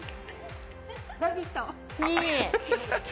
「ラヴィット！」。